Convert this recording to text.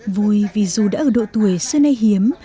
vui vì dù đã ở độ tuổi xưa nay hiếm